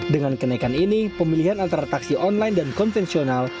dengan kenaikan ini pemilihan antara taksi online dan konvensional